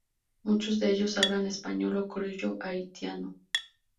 Muchos de ellos hablan español o criollo haitiano.